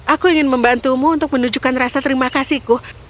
aku ingin membantumu untuk menunjukkan rasa terima kasihku